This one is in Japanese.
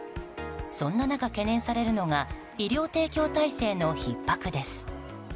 そんな中、懸念されるのが医療提供体制のひっ迫です。